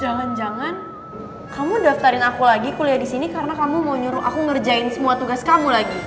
jangan jangan kamu daftarin aku lagi kuliah di sini karena kamu mau nyuruh aku ngerjain semua tugas kamu lagi